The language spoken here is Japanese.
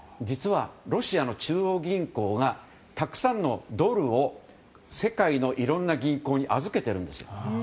実は、ロシアの中央銀行がたくさんのドルを世界のいろいろな銀行に預けているんです。